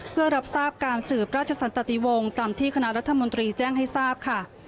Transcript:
เพื่อรับทราบการสืบราชสันตติวงศ์ตามที่คณะรัฐมนตรีแจ้งให้ทราบค่ะ